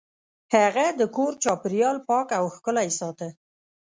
هغه د کور چاپیریال پاک او ښکلی ساته.